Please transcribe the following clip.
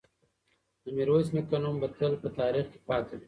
د میرویس نیکه نوم به تل په تاریخ کې پاتې وي.